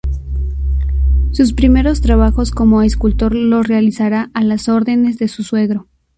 Sus primeros trabajos como escultor los realizará a las órdenes de su suegro.